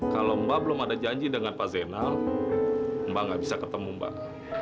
kalau mbak belum ada janji dengan pak zainal mbak nggak bisa ketemu mbak